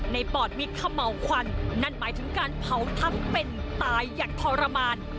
ปอดมิดเขม่าวควันนั่นหมายถึงการเผาทั้งเป็นตายอย่างทรมาน